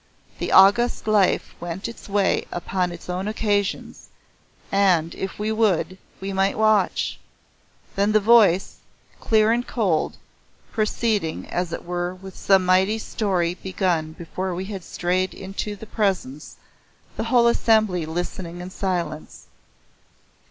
The august life went its way upon its own occasions, and, if we would, we might watch. Then the voice, clear and cold, proceeding, as it were, with some story begun before we had strayed into the Presence, the whole assembly listening in silence.